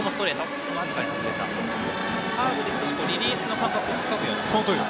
カーブでリリースの感覚をつかむような。